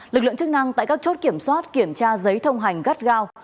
lực lượng chức năng tại các chốt kiểm soát kiểm tra giấy thông hành gắt gao